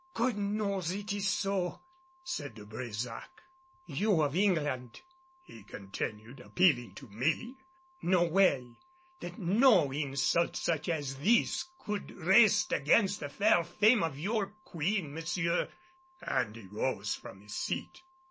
"God knows it is so," said De Brésac. "You of England," he continued, appealing to me, "know well that no insult such as this could rest against the fair fame of your Queen, monsieur," and he rose from his seat.